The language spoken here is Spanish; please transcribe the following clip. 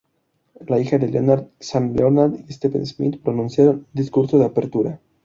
La hija de Leonard, Shana Leonard y Stephen Smith, pronunciaron un discurso de apertura.